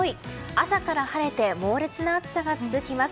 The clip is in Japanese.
朝から晴れて猛烈な暑さが続きます。